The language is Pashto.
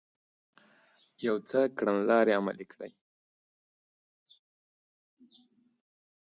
يو څه کړنلارې عملي کړې